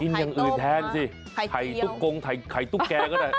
อย่างอื่นแทนสิไข่ตุ๊กกงไข่ตุ๊กแกก็ได้